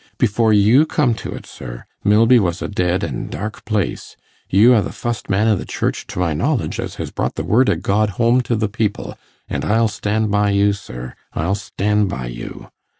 Before you come to it, sir, Milby was a dead an' dark place; you are the fust man i' the Church to my knowledge as has brought the word o' God home to the people; an' I'll stan' by you, sir, I'll stan' by you.